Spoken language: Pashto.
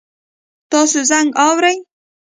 تاسو زنګ اورئ؟